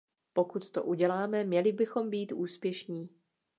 Pokud to uděláme, měli bychom být úspěšní.